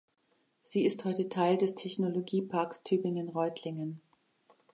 Sie ist heute Teil des Technologieparks Tübingen-Reutlingen.